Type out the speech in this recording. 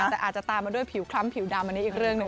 แต่อาจจะตามมาด้วยผิวคล้ำผิวดำอันนี้อีกเรื่องหนึ่ง